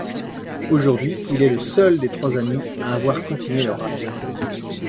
Aujourd’hui, il est le seul des trois amis à avoir continué le rap.